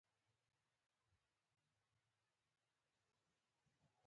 د ژوند په هر پړاو کې لومړیتوبونه هم توپیر سره لري.